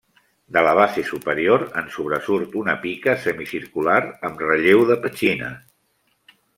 De la base superior en sobresurt una pica semicircular amb relleu de petxina.